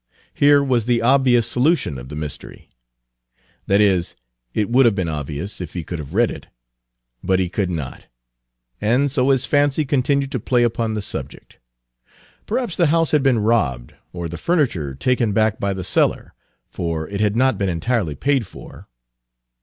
Here was the obvious solution of the mystery, that is, it would have been obvious if he could have read it; but he could not, and so his fancy continued to play upon the subject. Perhaps the house had been robbed, or the furniture taken back by the seller, for it had not been entirely paid for.